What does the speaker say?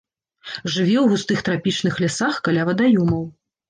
Жыве ў густых трапічных лясах, каля вадаёмаў.